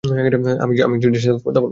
আমি জেডির সাথে কথা বলবো।